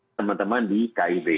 teman teman di kib